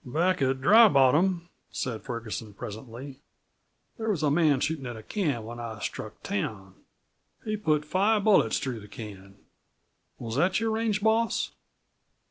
"Back at Dry Bottom," said Ferguson presently, "there was a man shootin' at a can when I struck town. He put five bullets through the can. Was that your range boss?"